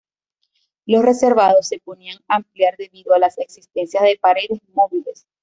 Los reservados se podían ampliar debido a la existencia de paredes móviles.